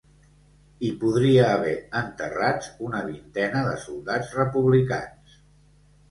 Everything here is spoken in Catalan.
Hi podria haver enterrats una vintena de soldats republicans.